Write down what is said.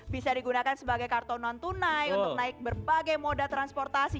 bisa digunakan sebagai kartu non tunai untuk naik berbagai moda transportasi